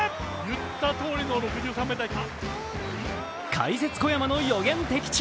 解説・小山の予言的中。